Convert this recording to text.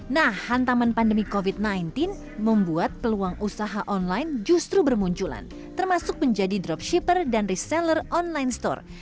nah hantaman pandemi covid sembilan belas membuat peluang usaha online justru bermunculan termasuk menjadi dropshipper dan reseller online store